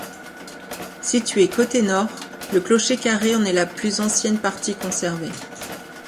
Situé côté nord, le clocher carré en est la plus ancienne partie conservée.